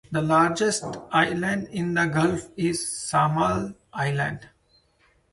The largest island in the gulf is Samal Island.